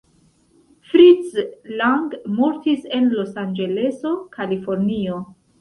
Fritz Lang mortis en Los-Anĝeleso, Kalifornio.